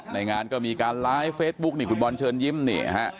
ในงานก็มีการไลฟ์เฟซบุ๊กนี่คุณบอลเชิญยิ้มนี่ฮะ